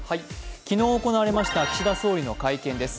昨日行われました岸田総理の会見です。